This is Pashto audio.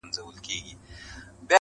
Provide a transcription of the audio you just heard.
په قسمت کي یې تغییر نه وي لیکلی٫